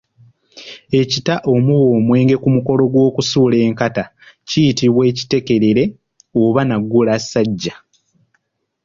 Ekita omuba omwenge ku mukolo gw’okusuula enkata kiyitibwa Ekitekerere oba Naggulasajja.